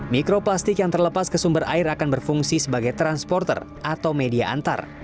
mikroplastik yang terlepas ke sumber air akan berfungsi sebagai transporter atau media antar